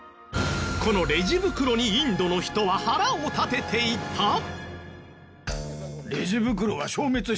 このレジ袋にインドの人は腹を立てていた！？